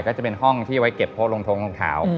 ก็จะเป็นห้องที่ไว้เก็บโพดรองทงรองเท้า